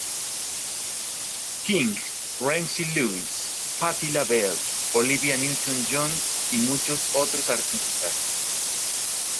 King, Ramsey Lewis, Patti Labelle, Olivia Newton-John, y muchos otros artistas.